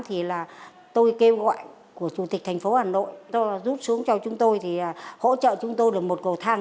hai nghìn một mươi tám thì là tôi kêu gọi của chủ tịch thành phố hà nội tôi giúp xuống cho chúng tôi hỗ trợ chúng tôi được một cầu thang